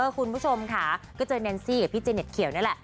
คุณผู้ชมค่ะก็เจอแนนซี่กับพี่เจเน็ตเขียวนี่แหละ